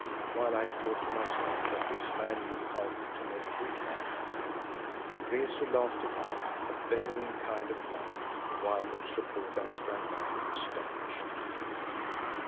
while I thought to myself that this man knew how to make good armour. Rezu laughed aloud, a bellowing kind of laugh, while Umslopogaas sprang back astonished.